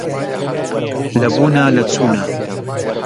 لە بوونا لە چوونا